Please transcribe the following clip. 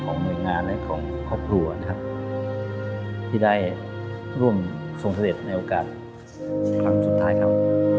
ของงานและของครอบครัวที่ได้ร่วมทรงเศรษฐ์ในโอกาสครั้งสุดท้ายครับ